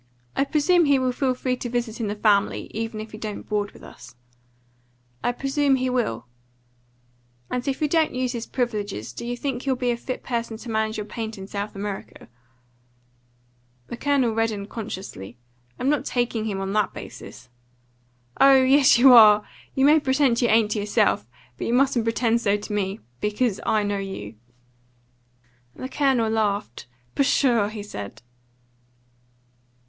I presume he will feel free to visit in the family, even if he don't board with us." "I presume he will." "And if he don't use his privileges, do you think he'll be a fit person to manage your paint in South America?" The Colonel reddened consciously. "I'm not taking him on that basis." "Oh yes, you are! You may pretend you ain't to yourself, but you mustn't pretend so to me. Because I know you." The Colonel laughed. "Pshaw!" he said. Mrs.